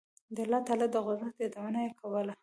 د الله تعالی د قدرت یادونه یې کوله.